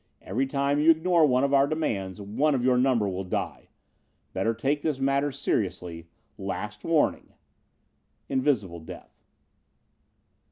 Every time you ignore one of our demands, one of your number will die. Better take this matter seriously. Last warning. Invisible Death.